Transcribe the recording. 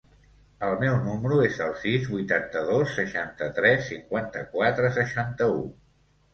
El meu número es el sis, vuitanta-dos, seixanta-tres, cinquanta-quatre, seixanta-u.